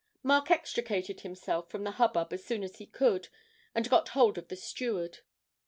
Mark extricated himself from the hubbub as soon as he could, and got hold of the steward.